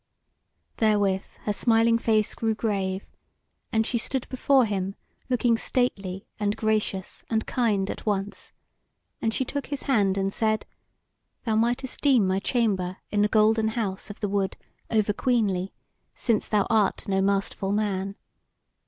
Therewith her smiling face grew grave, and she stood before him looking stately and gracious and kind at once, and she took his hand and said: "Thou mightest deem my chamber in the Golden House of the Wood over queenly, since thou art no masterful man.